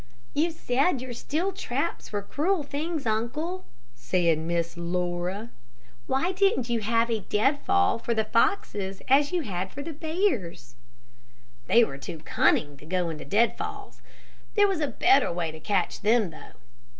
"You said your steel traps were cruel things, uncle," said Miss Laura. "Why didn't you have a deadfall for the foxes as you had for the bears?" "They were too cunning to go into deadfalls. There was a better way to catch them, though.